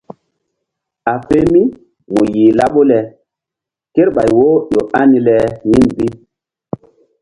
A fe mí mu yih laɓu le kerɓay wo ƴo ani le yin bi.